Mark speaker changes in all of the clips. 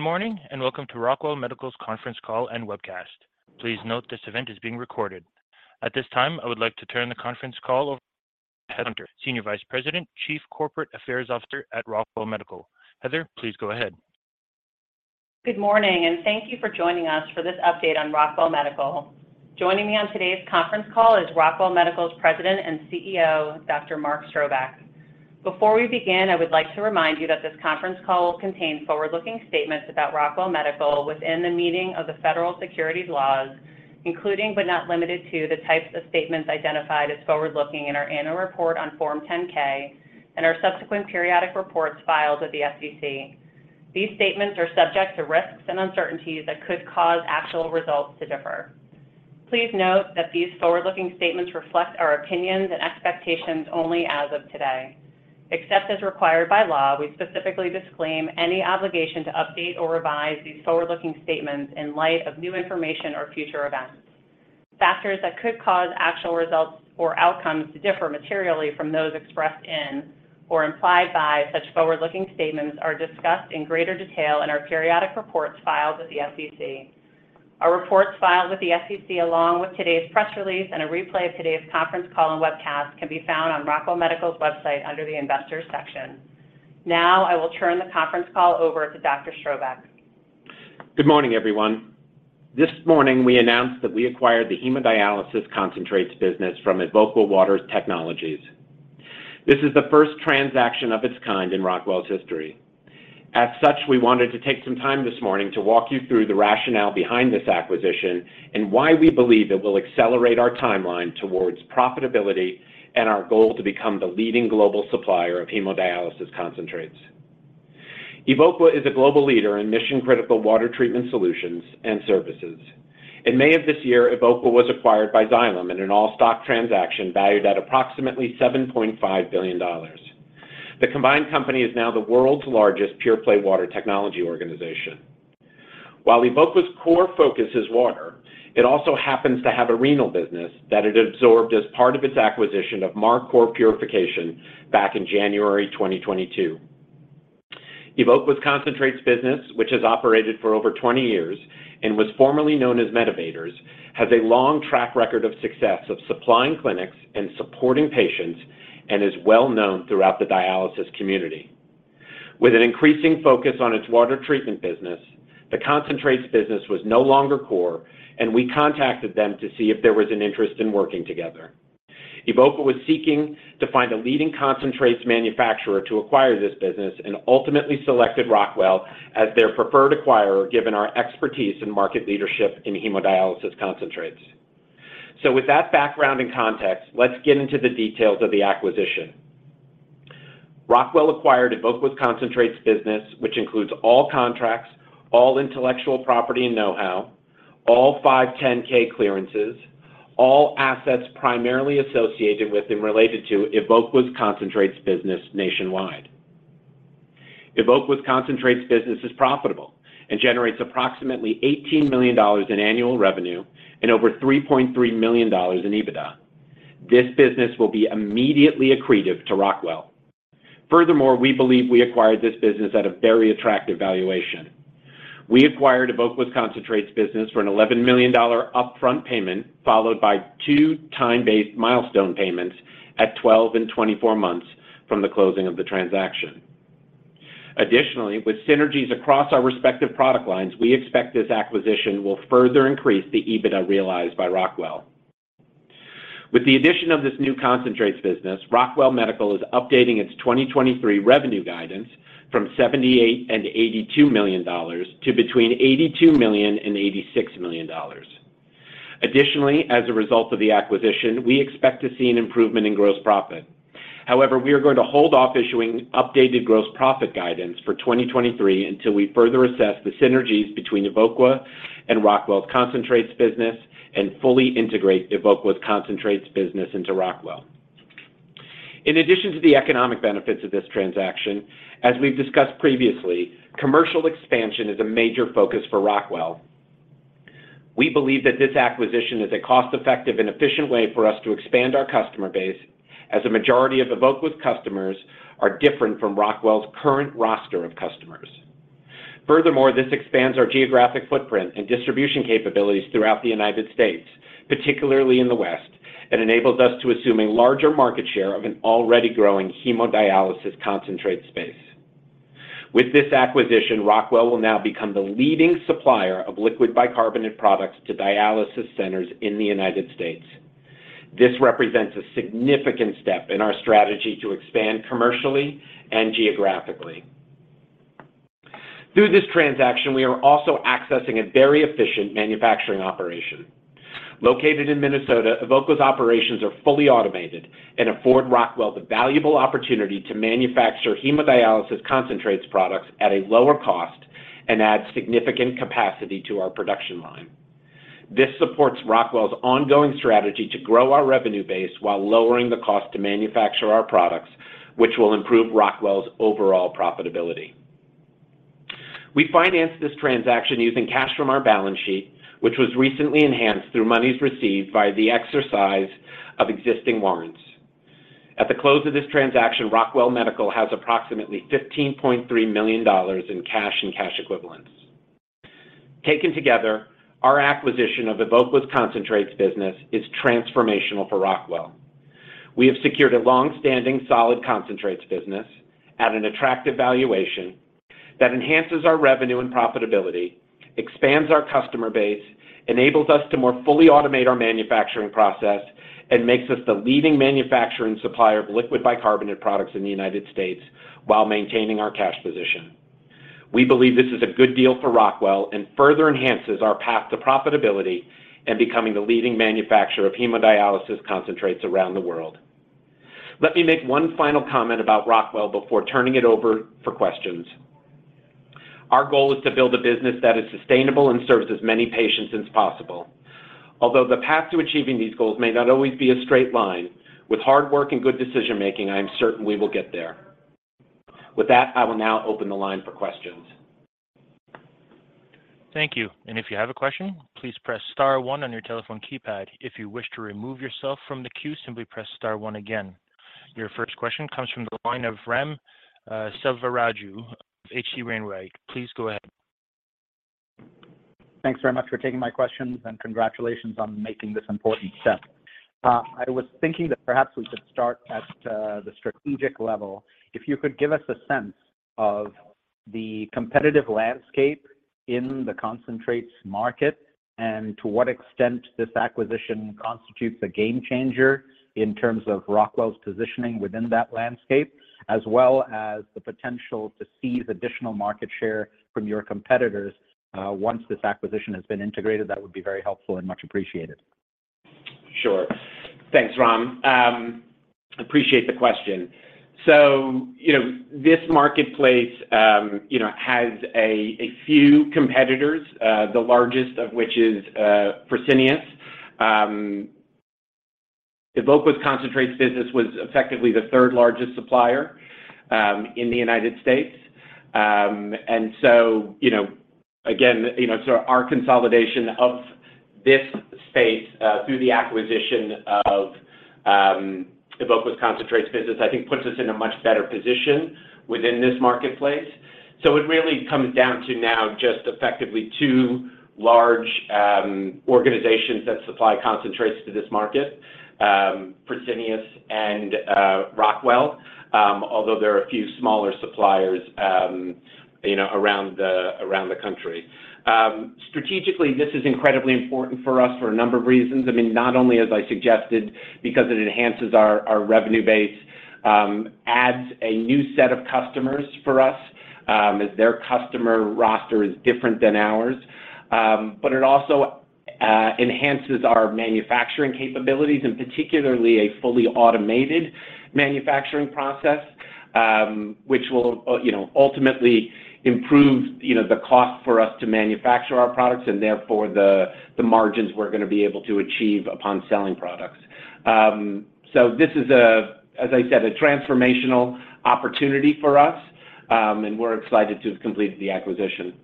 Speaker 1: Good morning. Welcome to Rockwell Medical's conference call and webcast. Please note this event is being recorded. At this time, I would like to turn the conference call over to Heather Hunter, Senior Vice President, Chief Corporate Affairs Officer at Rockwell Medical. Heather, please go ahead.
Speaker 2: Good morning, and thank you for joining us for this update on Rockwell Medical. Joining me on today's conference call is Rockwell Medical's President and CEO, Dr. Mark Strobeck. Before we begin, I would like to remind you that this conference call will contain forward-looking statements about Rockwell Medical within the meaning of the federal securities laws, including, but not limited to, the types of statements identified as forward-looking in our annual report on Form 10-K and our subsequent periodic reports filed with the SEC. These statements are subject to risks and uncertainties that could cause actual results to differ. Please note that these forward-looking statements reflect our opinions and expectations only as of today. Except as required by law, we specifically disclaim any obligation to update or revise these forward-looking statements in light of new information or future events. Factors that could cause actual results or outcomes to differ materially from those expressed in or implied by such forward-looking statements are discussed in greater detail in our periodic reports filed with the SEC. Our reports filed with the SEC, along with today's press release and a replay of today's conference call and webcast, can be found on Rockwell Medical's website under the Investors section. I will turn the conference call over to Dr. Strobeck.
Speaker 3: Good morning, everyone. This morning, we announced that we acquired the hemodialysis concentrates business from Evoqua Water Technologies. This is the first transaction of its kind in Rockwell's history. As such, we wanted to take some time this morning to walk you through the rationale behind this acquisition and why we believe it will accelerate our timeline towards profitability and our goal to become the leading global supplier of hemodialysis concentrates. Evoqua is a global leader in mission-critical water treatment solutions and services. In May of this year, Evoqua was acquired by Xylem in an all-stock transaction valued at approximately $7.5 billion. The combined company is now the world's largest pure-play water technology organization. While Evoqua's core focus is water, it also happens to have a renal business that it absorbed as part of its acquisition of MarCor Purification back in January 2022. Evoqua's concentrates business, which has operated for over 20 years and was formerly known as Medivators, has a long track record of success of supplying clinics and supporting patients and is well-known throughout the dialysis community. With an increasing focus on its water treatment business, the concentrates business was no longer core. We contacted them to see if there was an interest in working together. Evoqua was seeking to find a leading concentrates manufacturer to acquire this business and ultimately selected Rockwell as their preferred acquirer, given our expertise and market leadership in hemodialysis concentrates. With that background and context, let's get into the details of the acquisition. Rockwell acquired Evoqua's concentrates business, which includes all contracts, all intellectual property and know-how, all 510(k) clearances, all assets primarily associated with and related to Evoqua's concentrates business nationwide. Evoqua's concentrates business is profitable and generates approximately $18 million in annual revenue and over $3.3 million in EBITDA. This business will be immediately accretive to Rockwell. We believe we acquired this business at a very attractive valuation. We acquired Evoqua's concentrates business for an $11 million upfront payment, followed by two time-based milestone payments at 12 and 24 months from the closing of the transaction. With synergies across our respective product lines, we expect this acquisition will further increase the EBITDA realized by Rockwell. With the addition of this new concentrates business, Rockwell Medical is updating its 2023 revenue guidance from $78 million-$82 million to between $82 million and $86 million. As a result of the acquisition, we expect to see an improvement in gross profit. However, we are going to hold off issuing updated gross profit guidance for 2023 until we further assess the synergies between Evoqua and Rockwell's concentrates business and fully integrate Evoqua's concentrates business into Rockwell. In addition to the economic benefits of this transaction, as we've discussed previously, commercial expansion is a major focus for Rockwell. We believe that this acquisition is a cost-effective and efficient way for us to expand our customer base, as a majority of Evoqua's customers are different from Rockwell's current roster of customers. Furthermore, this expands our geographic footprint and distribution capabilities throughout the United States, particularly in the West, and enables us to assume a larger market share of an already growing hemodialysis concentrate space. With this acquisition, Rockwell will now become the leading supplier of liquid bicarbonate products to dialysis centers in the United States. This represents a significant step in our strategy to expand commercially and geographically. Through this transaction, we are also accessing a very efficient manufacturing operation. Located in Minnesota, Evoqua's operations are fully automated and afford Rockwell the valuable opportunity to manufacture hemodialysis concentrates products at a lower cost and add significant capacity to our production line. This supports Rockwell's ongoing strategy to grow our revenue base while lowering the cost to manufacture our products, which will improve Rockwell's overall profitability. We financed this transaction using cash from our balance sheet, which was recently enhanced through monies received by the exercise of existing warrants. At the close of this transaction, Rockwell Medical has approximately $15.3 million in cash and cash equivalents. Taken together, our acquisition of Evoqua's concentrates business is transformational for Rockwell. We have secured a long-standing, solid concentrates business at an attractive valuation that enhances our revenue and profitability, expands our customer base, enables us to more fully automate our manufacturing process, and makes us the leading manufacturer and supplier of liquid bicarbonate products in the United States while maintaining our cash position. We believe this is a good deal for Rockwell and further enhances our path to profitability and becoming the leading manufacturer of hemodialysis concentrates around the world. Let me make one final comment about Rockwell before turning it over for questions. Our goal is to build a business that is sustainable and serves as many patients as possible. Although the path to achieving these goals may not always be a straight line, with hard work and good decision-making, I am certain we will get there. With that, I will now open the line for questions.
Speaker 1: Thank you. If you have a question, please press star one on your telephone keypad. If you wish to remove yourself from the queue, simply press star one again. Your first question comes from the line of Ram Selvaraju, H.C. Wainwright. Please go ahead.
Speaker 4: Thanks very much for taking my questions, and congratulations on making this important step. I was thinking that perhaps we could start at the strategic level. If you could give us a sense of the competitive landscape in the concentrates market and to what extent this acquisition constitutes a game changer in terms of Rockwell's positioning within that landscape, as well as the potential to seize additional market share from your competitors, once this acquisition has been integrated, that would be very helpful and much appreciated.
Speaker 3: Sure. Thanks, Ram. Appreciate the question. You know, this marketplace, you know, has a few competitors, the largest of which is Fresenius. Evoqua's concentrates business was effectively the third-largest supplier in the United States. You know, again, you know, our consolidation of this space, through the acquisition of Evoqua's concentrates business, I think, puts us in a much better position within this marketplace. It really comes down to now just effectively two large organizations that supply concentrates to this market, Fresenius and Rockwell Medical, although there are a few smaller suppliers, you know, around the country. Strategically, this is incredibly important for us for a number of reasons. I mean, not only as I suggested, because it enhances our revenue base, adds a new set of customers for us, as their customer roster is different than ours, but it also enhances our manufacturing capabilities, and particularly a fully automated manufacturing process, which will, you know, ultimately improve, you know, the cost for us to manufacture our products and therefore the margins we're gonna be able to achieve upon selling products. This is a, as I said, a transformational opportunity for us, and we're excited to complete the acquisition.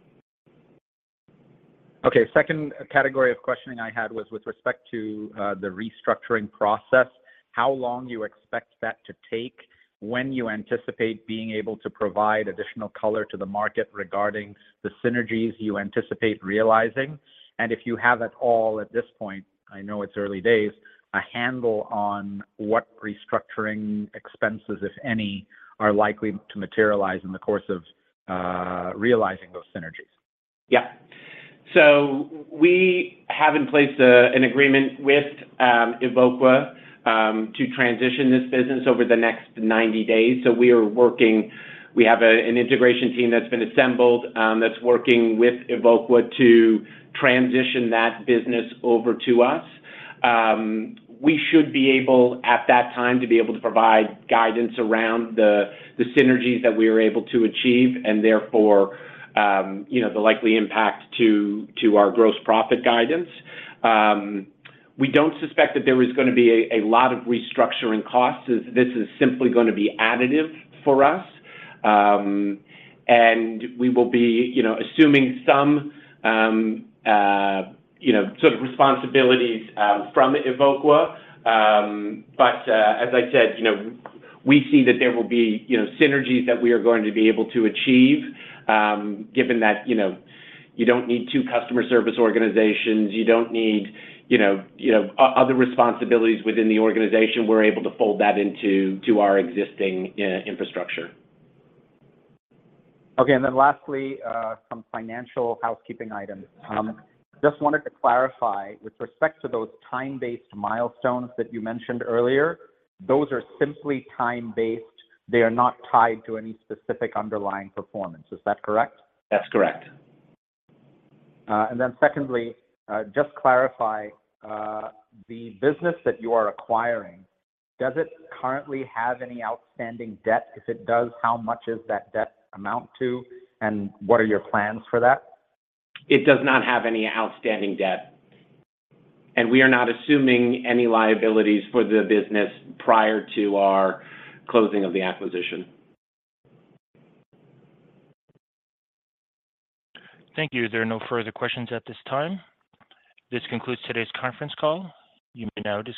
Speaker 4: Okay, second category of questioning I had was with respect to the restructuring process. How long you expect that to take? When you anticipate being able to provide additional color to the market regarding the synergies you anticipate realizing? If you have at all at this point, I know it's early days, a handle on what restructuring expenses, if any, are likely to materialize in the course of realizing those synergies.
Speaker 3: We have in place an agreement with Evoqua to transition this business over the next 90 days. We have an integration team that's been assembled that's working with Evoqua to transition that business over to us. We should be able, at that time, to be able to provide guidance around the synergies that we are able to achieve, and therefore, you know, the likely impact to our gross profit guidance. We don't suspect that there is gonna be a lot of restructuring costs, as this is simply gonna be additive for us. We will be, you know, assuming some, you know, sort of responsibilities from Evoqua. As I said, you know, we see that there will be, you know, synergies that we are going to be able to achieve, given that, you know, you don't need two customer service organizations, you don't need, you know, other responsibilities within the organization. We're able to fold that into our existing infrastructure.
Speaker 4: Okay, lastly, some financial housekeeping items.
Speaker 3: Okay.
Speaker 4: Just wanted to clarify, with respect to those time-based milestones that you mentioned earlier, those are simply time-based. They are not tied to any specific underlying performance. Is that correct?
Speaker 3: That's correct.
Speaker 4: Secondly, just clarify, the business that you are acquiring, does it currently have any outstanding debt? If it does, how much does that debt amount to, and what are your plans for that?
Speaker 3: It does not have any outstanding debt, and we are not assuming any liabilities for the business prior to our closing of the acquisition.
Speaker 1: Thank you. There are no further questions at this time. This concludes today's conference call. You may now disconnect.